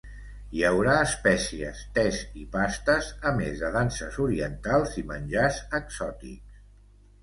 Hi haurà espècies, tes i pastes, a més de danses orientals i menjars exòtics.